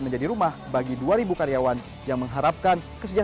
modal awalnya hanya satu juta rupiah